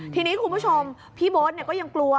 ทีนี้คุณผู้ชมพี่โบ๊ทก็ยังกลัว